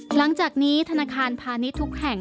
หลังจากนี้ธนาคารพาณิชย์ทุกแห่ง